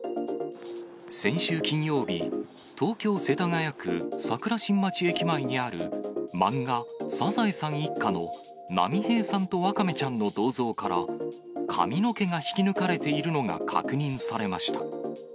先週金曜日、東京・世田谷区桜新町駅前にある漫画、サザエさん一家の波平さんとワカメちゃんの銅像から、髪の毛が引き抜かれているのが確認されました。